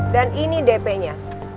dan ini dp nya